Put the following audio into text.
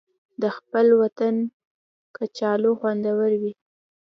د خپل وطن کچالو خوندور وي